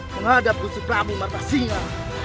menghadap kusut pramu marta singa